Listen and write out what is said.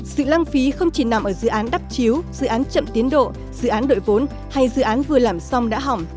sự lăng phí không chỉ nằm ở dự án đắp chiếu dự án chậm tiến độ dự án đội vốn hay dự án vừa làm xong đã hỏng